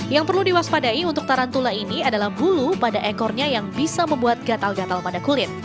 yang perlu diwaspadai untuk tarantula ini adalah bulu pada ekornya yang bisa membuat gatal gatal pada kulit